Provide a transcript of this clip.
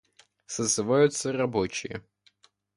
Созываются рабочие.